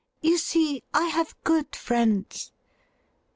You see, I have good friends.'